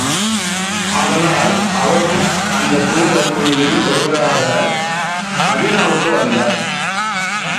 ஆதலால், அவரும் அந்தத் தூதர் குழுவில் ஒருவராக மதீனாவுக்கு வந்தார்.